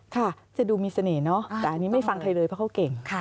ค่ะจะดูมีเสน่ห์เนาะแต่อันนี้ไม่ฟังใครเลยเพราะเขาเก่ง